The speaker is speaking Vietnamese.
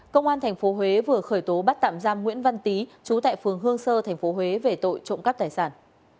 công an tp huế vừa khởi tố bắt tạm giam nguyễn văn tý chú tại phường hương sơ tp huế về tội trộm cắp tài sản